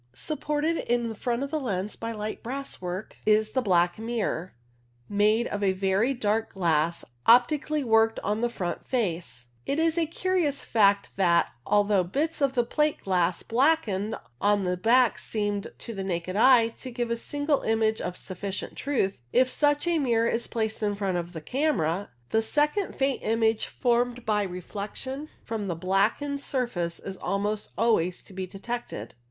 Supported in front of the lens by light brass work is the black mirror, made of a very dark glass optically worked on the front face. It is a BLACK MIRROR 173 curious fact that, although bits of plate glass blackened on the back seem to the naked eye to give a single image of sufficient truth, if such a mirror is placed in front of the camera the second faint image formed by reflection from the blackened surface is almost always to be detected.